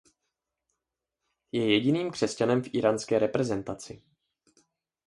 Je jediným křesťanem v íránské reprezentaci.